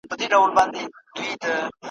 ژبه یې لمبه ده اور په زړه لري `